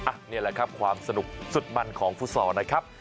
นี่แหละครับความสนุกสุดมันของฟุตซอลนะครับ